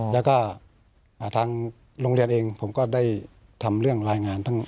แล้วก็ทางโรงเรียนเองผมก็ได้ทำเรื่องรายงาน